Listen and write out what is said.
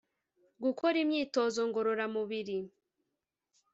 Gukora imyitozo ngororamubiri